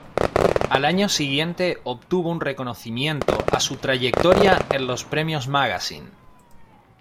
Al año siguiente obtuvo un reconocimiento a su trayectoria en los "Premios Magazine".